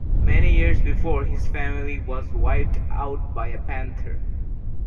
Many years before his family was wiped out by a panther.